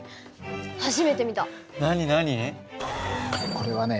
これはね